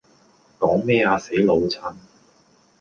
講咩呀死老襯?